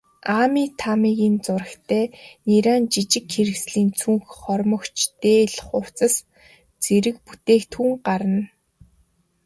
Аами, Таамигийн зурагтай нярайн жижиг хэрэгслийн цүнх, хормогч, дээл, хувцас зэрэг бүтээгдэхүүн гарна.